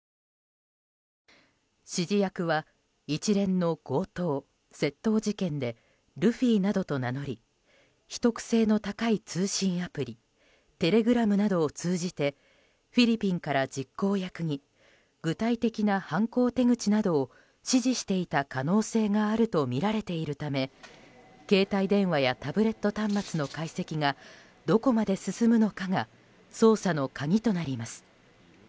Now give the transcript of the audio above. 指示役は一連の強盗・窃盗事件でルフィなどと名乗り秘匿性の高い通信アプリテレグラムなどを通じてフィリピンから実行役に具体的な犯行手口などを指示していた可能性があるとみられているため携帯電話やタブレット端末の解析がどこまで進むのかが捜査の鍵となります。